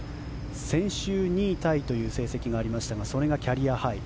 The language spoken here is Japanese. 先週、２位タイという成績がありましたがそれがキャリアハイ。